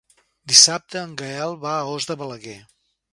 Dissabte en Gaël va a Os de Balaguer.